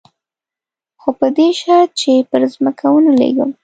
خو په دې شرط چې پر ځمکه ونه لېږم.